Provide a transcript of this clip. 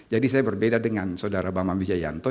jadi saya berbeda dengan saudara bambang wijayanto